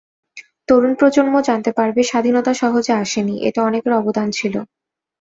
তরুণ প্রজন্ম জানতে পারবে স্বাধীনতা সহজে আসেনি, এতে অনেকের অবদান ছিল।